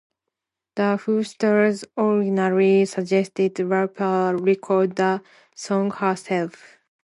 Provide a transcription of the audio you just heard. The Hooters originally suggested Lauper record the song herself.